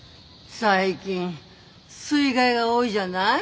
最近水害が多いじゃない？